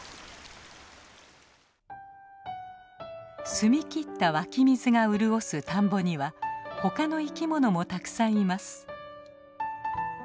澄み切った湧き水が潤す田んぼには他の生き物もたくさんいます。